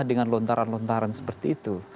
dengan lontaran lontaran seperti itu